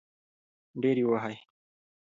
ډېر يې ووهی .